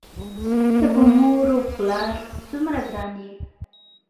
ته په مور و پلار څومره ګران یې؟!